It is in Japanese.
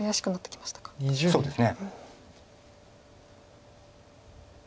そうですね